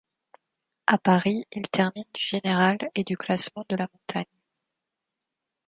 À Paris, il termine du général et du classement de la montagne.